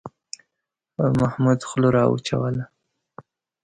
محمود خوله را وچوله.